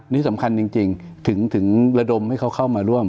นี่สำคัญจริงถึงระดมให้เขาเข้ามาร่วม